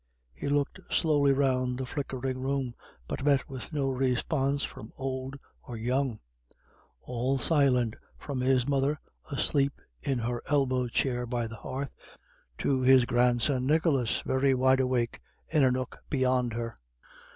He looked slowly round the flickering room, but met with no response from old or young; all silent, from his mother, asleep in her elbow chair by the hearth, to his grandson Nicholas, very wide awake, in a nook beyond her.